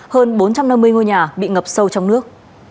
hơn bốn trăm năm mươi ngôi nhà bị ngập sâu trong nước